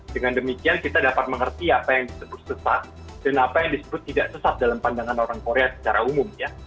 dengan demikian kita dapat mengerti apa yang disebut sesat dan apa yang disebut tidak sesat dalam pandangan orang korea secara umum ya